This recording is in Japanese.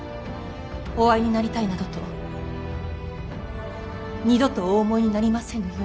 お会いになりたいなどと二度とお思いになりませぬよう。